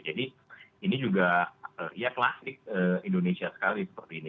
jadi ini juga ya klasik indonesia sekali seperti ini